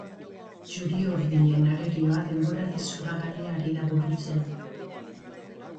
Txuri-urdinen arerioa denboraldi zoragarria ari da burutzen.